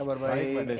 kabar baik pak desi